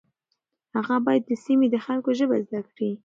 هغه باید د سیمې د خلکو ژبه زده کړي.